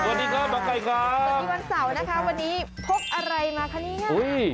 สวัสดีวันเสาร์นะคะสวัสดีค่ะวันนี้พกอะไรมาคะนี่ค่ะ